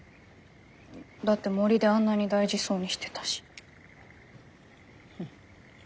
だって森であんなに大事そうにしてたし。